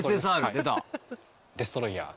デストロイヤー？